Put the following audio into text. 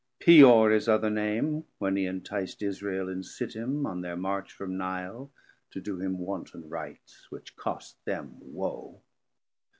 Peor his other Name, when he entic'd Israel in Sittim on their march from Nile To do him wanton rites, which cost them woe.